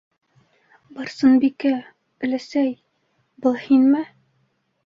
Барсынбикә... өләсәй... был һинме?